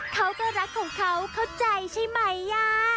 เขาก็รักของเขาเข้าใจใช่ไหม